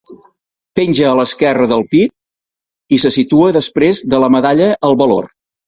Penja a l'esquerra del pit i se situa després de la Medalla al Valor.